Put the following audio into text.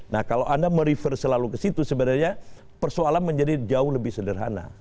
nah kalau anda merefer selalu ke situ sebenarnya persoalan menjadi jauh lebih sederhana